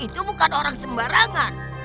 itu bukan orang sembarangan